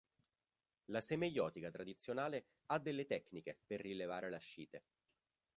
La semeiotica tradizionale ha delle tecniche per rilevare l'ascite.